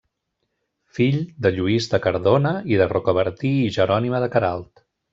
Fill de Lluís de Cardona i de Rocabertí i Jerònima de Queralt.